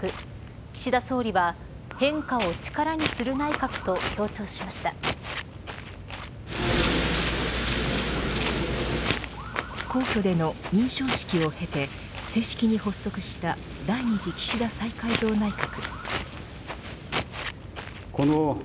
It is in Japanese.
岸田総理は変化を力にする内閣と皇居での認証式を経て正式に発足した第２次岸田再改造内閣。